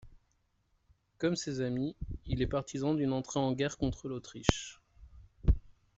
Comme ses amis, il est partisans d'une entrée en guerre contre l'Autriche.